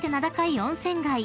温泉街